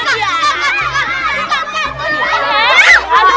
itu apaan tuh